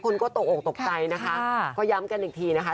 คนก็ตกออกตกใจนะคะก็ย้ำกันอีกทีนะคะ